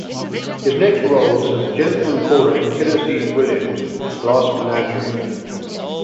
His next role was as the Gentleman Caller in Tennessee Williams' "The Glass Menagerie".